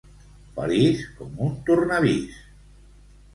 Feliç com un tornavís.